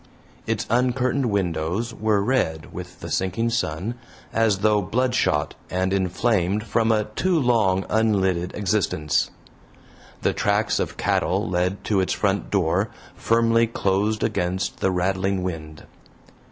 Its uncurtained windows were red with the sinking sun, as though bloodshot and inflamed from a too long unlidded existence. The tracks of cattle led to its front door, firmly closed against the rattling wind.